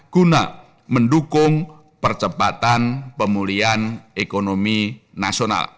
guna mendukung percepatan pemulihan ekonomi nasional